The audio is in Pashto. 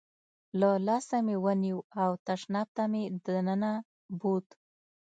له لاسه مې ونیو او تشناب ته مې دننه بوت.